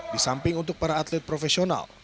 di samping untuk para atlet profesional